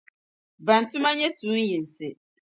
bɛn tuma nyɛ tuun’ yinsi.